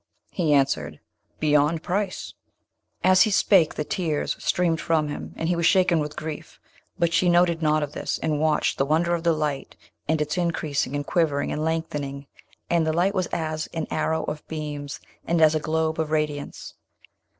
He answered, 'Beyond price!' As he spake the tears streamed from him, and he was shaken with grief, but she noted nought of this, and watched the wonder of the light, and its increasing, and quivering, and lengthening; and the light was as an arrow of beams and as a globe of radiance.